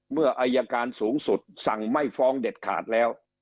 เมื่ออายการสูงสุดสั่งไม่ฟ้องเด็ดขาดแล้ว